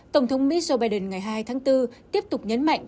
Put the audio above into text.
tổng thống mỹ joe biden ngày hai tháng bốn tiếp tục nhấn mạnh